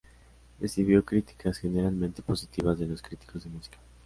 Recibió críticas generalmente positivas de los críticos de música.